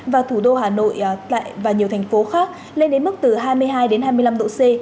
và thủ đô hà nội và nhiều thành phố khác lên đến mức từ hai mươi hai đến hai mươi năm độ c